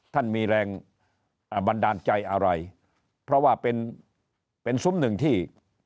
ท่านมีแรงบันดาลใจอะไรเพราะว่าเป็นเป็นซุ้มหนึ่งที่